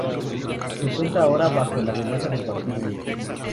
Se encuentra ahora bajo la amenaza del vampiro Mickey.